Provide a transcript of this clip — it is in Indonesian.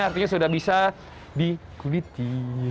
artinya sudah bisa dikubiti